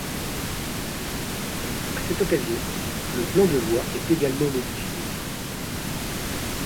À cette occasion, le plan de voies est également modifié.